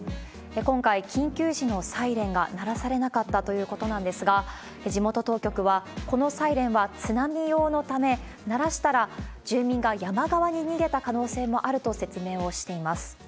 今回、緊急時のサイレンが鳴らされなかったということなんですが、地元当局は、このサイレンは津波用のため、鳴らしたら住民が山側に逃げた可能性もあると説明をしています。